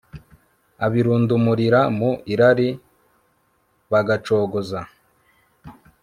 Abirundumurira mu irari bagacogoza